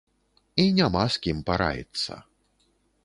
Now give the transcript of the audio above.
І няма з кім параіцца.